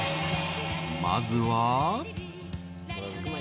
［まずは］